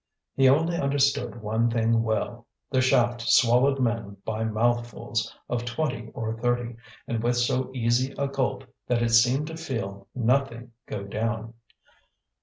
He only understood one thing well: the shaft swallowed men by mouthfuls of twenty or thirty, and with so easy a gulp that it seemed to feel nothing go down.